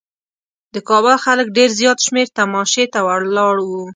د کابل خلک ډېر زیات شمېر تماشې ته ولاړ وو.